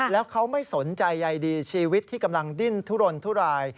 แล้วเขาไม่สนใจใยดีชีวิตที่กำลังดิ้นทุรนทุราย